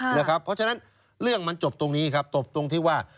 เพราะฉะนั้นเรื่องมันจบตรงนี้ครับจบตรงที่ว่า